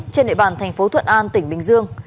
trên địa bàn thành phố thuận an tỉnh bình dương